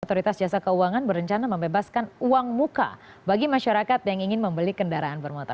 otoritas jasa keuangan berencana membebaskan uang muka bagi masyarakat yang ingin membeli kendaraan bermotor